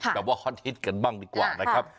ฮอตฮิตกันบ้างดีกว่านะครับ